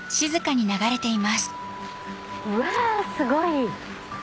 うわすごい。